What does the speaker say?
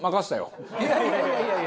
いやいやいやいや！